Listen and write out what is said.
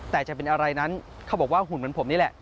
แต่จะเป็นอะไรนั้นเขาบอกว่าหุ่นเหมือนผมนี่แหละ